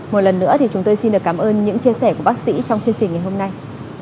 một lần nữa thì chúng tôi xin được cảm ơn những chia sẻ của bác sĩ trong chương trình ngày hôm nay